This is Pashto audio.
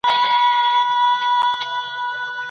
پلراتلونکي معماران شئ.